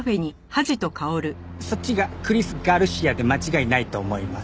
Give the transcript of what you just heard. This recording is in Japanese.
そっちがクリス・ガルシアで間違いないと思います。